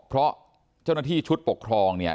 เพราะเจ้าหน้าที่ชุดปกครองเนี่ย